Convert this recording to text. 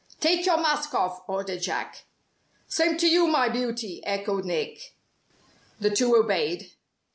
"Take your mask off," ordered Jack. "Same to you, my beauty," echoed Nick. The two obeyed.